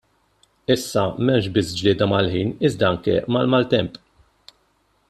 Issa m'hemmx biss glieda mal-ħin iżda anke mal-maltemp.